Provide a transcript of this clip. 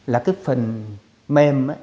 là cái phần mềm